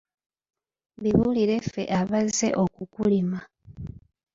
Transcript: Bibulire ffe abazze okukulima.